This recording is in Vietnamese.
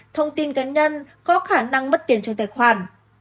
thông tin cá nhân có khả năng mất tiền trong tài khoản